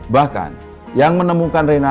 bahkan yang menemukan reina